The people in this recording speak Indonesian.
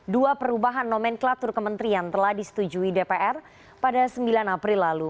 dua perubahan nomenklatur kementerian telah disetujui dpr pada sembilan april lalu